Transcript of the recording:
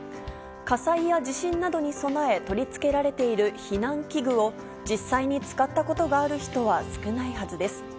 火災や地震などに備え取り付けられている避難器具を、実際に使ったことがある人は少ないはずです。